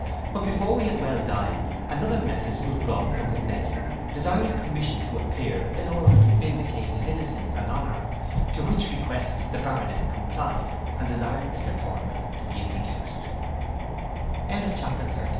But before we had well dined, another message was brought from his nephew, desiring permission to appear, in order to vindicate his innocence and honour, with which request the Baronet complied, and desired Mr Thornhill to be in